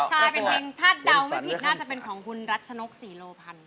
ใช่เป็นเพลงถ้าเดาไม่ผิดน่าจะเป็นของคุณรัชนกศรีโลพันธ์